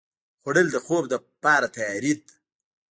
خوړل د خوب لپاره تیاري ده